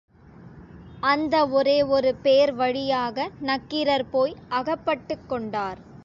அந்த ஒரே ஒரு பேர்வழியாக நக்கீரர் போய் அகப்பட்டுக் கொண்டார்.